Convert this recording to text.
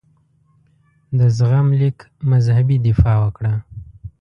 د زغم لیک مذهبي دفاع وکړه.